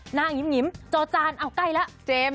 หน้างิมโจจารอ้าวใกล้แล้ว